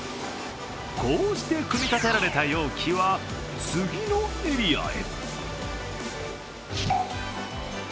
こうして組み立てられた容器は次のエリアへ。